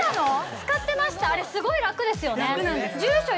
使ってましたあれすごい楽ですよね。